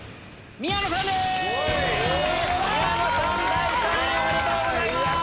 第３位おめでとうございます！